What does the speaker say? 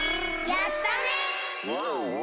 やったね！